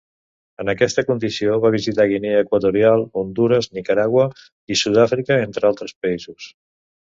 En aquesta condició va visitar Guinea Equatorial, Hondures, Nicaragua i Sud-àfrica, entre altres països.